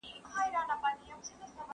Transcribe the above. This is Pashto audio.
چې ترجمان یې څـــوک د درد د احساساتو نۀ ؤ